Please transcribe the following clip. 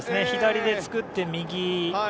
左で作って、右。